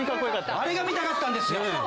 あれが見たかったんですよ。